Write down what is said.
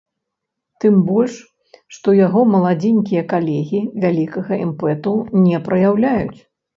Тым больш, што яго маладзенькія калегі вялікага імпэту не праяўляюць.